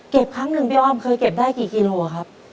ครั้งหนึ่งพี่อ้อมเคยเก็บได้กี่กิโลครับ